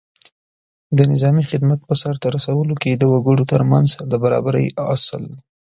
د نظامي خدمت په سرته رسولو کې د وګړو تر منځ د برابرۍ اصل